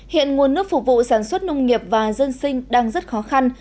hiện nguồn nước phục vụ sản xuất nông nghiệp và dân sinh đang rất khó khăn